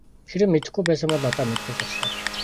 Хэрэв мэдэхгүй байсан бол одоо мэддэг боллоо.